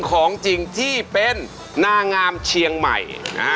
ของจริงที่เป็นน่างามเชียงใหม่